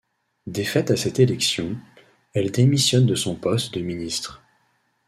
Défaite à cette élection, elle démissionne de son poste de ministre.